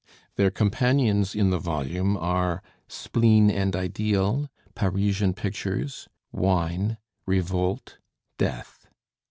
Their companions in the volume are: 'Spleen and Ideal,' 'Parisian Pictures,' 'Wine,' 'Revolt,' 'Death.'